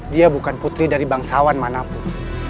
dia bukan putri dari bangsawan manapun